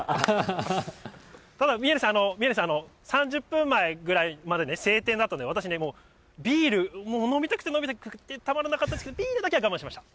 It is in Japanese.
宮根さん、３０分前ぐらいまでね、晴天だと、私ね、ビール、もう飲みたくて飲みたくてたまらなかったんですけど、ビールだけは我慢しました。